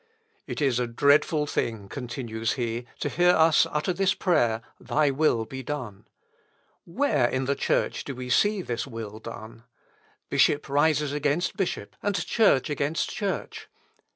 "It is a dreadful thing," continues he, "to hear us utter this prayer, 'Thy will be done.' Where in the Church do we see this will done?... Bishop rises against bishop, and church against church.